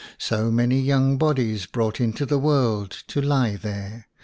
So many young bodies brought into the world to lie there!